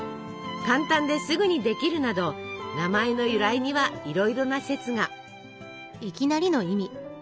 簡単ですぐにできるなど名前の由来にはいろいろな説が。